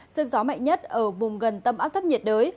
sức gió mạnh nhất ở vùng gần tâm áp thấp nhiệt đới